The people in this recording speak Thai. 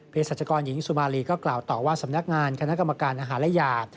สัจกรหญิงสุมารีก็กล่าวต่อว่าสำนักงานคณะกรรมการอาหารและยา